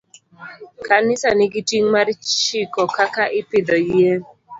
Kanisa nigi ting' mar chiko kaka ipidho yien